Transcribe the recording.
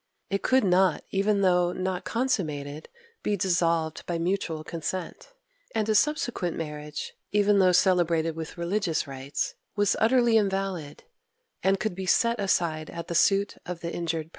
It could not, even though not consummated, be dissolved by mutual consent; and a subsequent marriage, even though celebrated with religious rites, was utterly invalid, and could be set aside at the suit of the injured person.